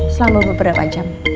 selama beberapa jam